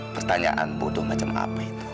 pertanyaan bodoh macam apa itu